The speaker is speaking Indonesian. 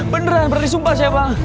beneran berarti sumpah saya bang